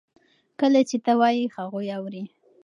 کله چې ته وایې هغوی اوري.